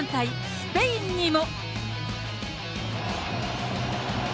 スペインにも。